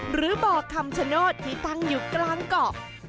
หรือบ่อคำชโนธที่ตั้งอยู่กลางเกาะ